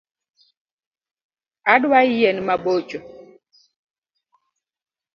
Adwa yien mabocho